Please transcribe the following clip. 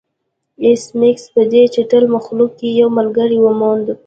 ایس میکس په دې چټل مخلوق کې یو ملګری وموند